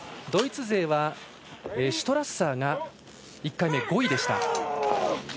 ドイツ勢は、シュトラッサーが１回目、５位でした。